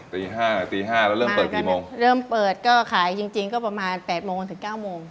ตีห้าตีห้าแล้วเริ่มเปิดกี่โมงเริ่มเปิดก็ขายจริงจริงก็ประมาณแปดโมงถึงเก้าโมง